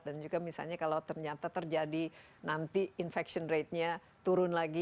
dan juga misalnya kalau ternyata terjadi nanti infeksi ratenya turun lagi